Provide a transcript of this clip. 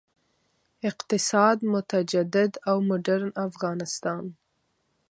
اقتصاد، متجدد او مډرن افغانستان.